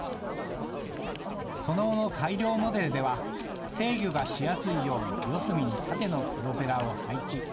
その後の改良モデルでは、制御がしやすいよう四隅に縦のプロペラを配置。